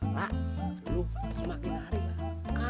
mak lu semakin lari lah